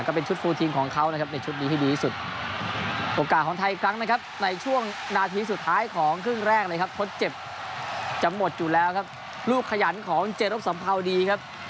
และหลุดความเร็คของคืนแรกเลยครับรูปขยันของเจรบสำราวดีครับ